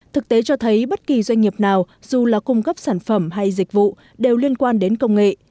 thực tế cho thấy bất kỳ doanh nghiệp nào dù là cung cấp sản phẩm hay dịch vụ đều liên quan đến công nghệ